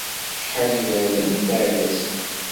Acḥal n yiberdan i tɛeddaḍ s-ya?